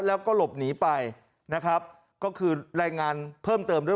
แล้วก็หลบหนีไปนะครับก็คือรายงานเพิ่มเติมด้วย